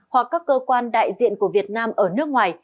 hoặc các cơ quan đại diện của việt nam ở nước ngoài